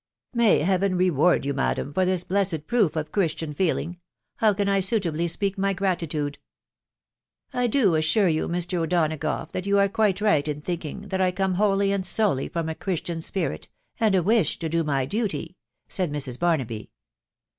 " May Heaven reward you, madam, for this blessed proof of Christian feeling !...• How can I suitably speak my gra titude?" " I do assure you, Mr. O'Donagough, that you are quite right in thinking that I come wholly and solely from a Christ tian spirit and a wish to do my duty," said Mrs. Barnaby.